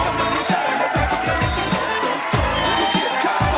วันนี้ลาไปก่อนสวัสดีครับ